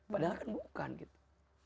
padahal kan bukan gitu